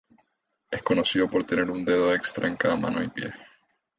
Es conocido por tener un dedo extra en cada mano y pie.